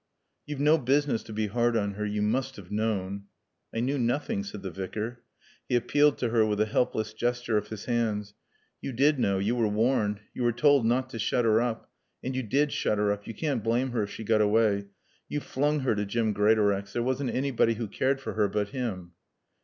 "You've no business to be hard on her. You must have known." "I knew nothing," said the Vicar. He appealed to her with a helpless gesture of his hands. "You did know. You were warned. You were told not to shut her up. And you did shut her up. You can't blame her if she got away. You flung her to Jim Greatorex. There wasn't anybody who cared for her but him."